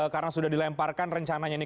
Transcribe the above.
karena sudah dilemparkan rencananya ini